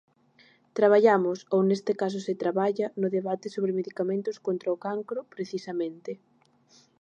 Traballamos, ou neste caso se traballa, no debate sobre medicamentos contra o cancro, precisamente.